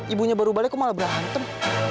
ibunya baru balik aku malah berhantem